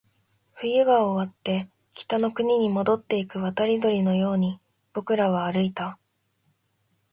冬が終わって、北の国に戻っていく渡り鳥のように僕らは歩いた